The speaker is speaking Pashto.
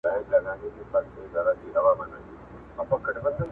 مدیر صاحب شناخته دا مهال